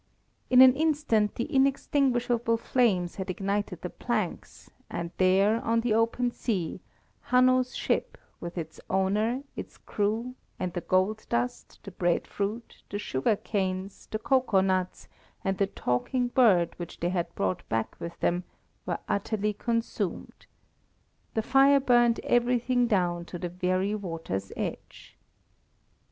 In an instant the inextinguishable flames had ignited the planks, and there, on the open sea, Hanno's ship, with its owner, its crew, and the gold dust, the bread fruit, the sugar canes, the cocoa nuts, and the talking bird which they had brought back with them, were utterly consumed. The fire burned everything down to the very water's edge.